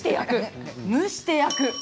蒸して焼く。